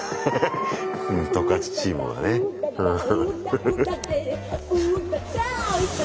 十勝チームはねうん。